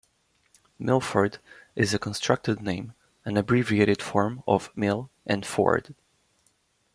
Milford is a constructed name, an abbreviated form of mill and ford.